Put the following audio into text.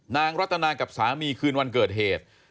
รัตนากับสามีคืนวันเกิดเหตุ